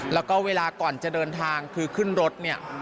แล้วก็เวลาก่อนจะเดินทางคือขึ้นรถเนี่ย